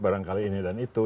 barangkali ini dan itu